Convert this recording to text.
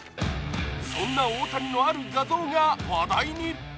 そんな大谷のある画像が話題に。